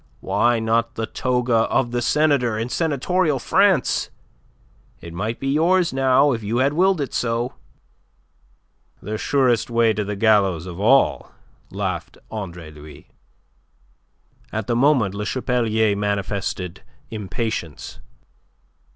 Why not the toga of the senator in senatorial France? It might be yours now if you had willed it so." "The surest way to the gallows of all," laughed Andre Louis. At the moment Le Chapelier manifested impatience.